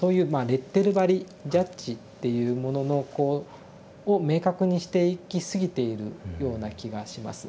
レッテル貼りジャッジっていうもののこうを明確にしていきすぎているような気がします。